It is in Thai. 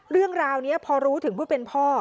เรื่องราวนี้พอรู้ถึงผู้เป็นพ่อ